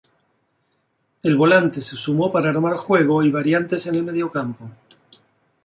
El volante se sumó para armar juego y variantes en el mediocampo.